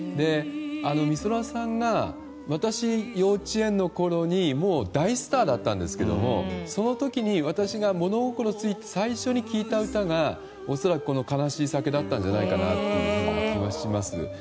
美空さん、私が幼稚園のころにもう大スターだったんですけどその時に私が物心ついて最初に聴いた歌が恐らく、この「悲しい酒」だったんじゃないかなという気がします。